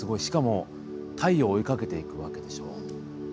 しかも太陽を追いかけていくわけでしょう。